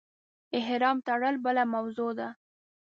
احرام تړل بله موضوع ده.